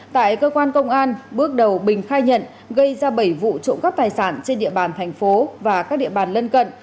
tại cơ quan công an bước đầu bình khai nhận gây ra bảy vụ trộm cắp tài sản trên địa bàn thành phố và các địa bàn lân cận